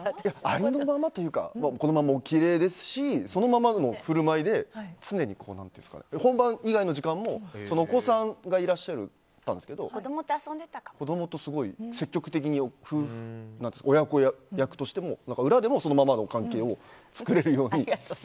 ありのままというかこのまま、おきれいですしそのままの振る舞いで常に本番以外の時間も、お子さんがいらっしゃるんですけど子供とすごい、積極的に親子役としても裏でも、そのままの関係を作れるように。